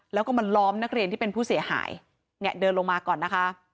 แล้วก็มาล้อมนักเรียนที่เป็นผู้เสียหายเนี่ยเดินลงมาก่อนนะคะ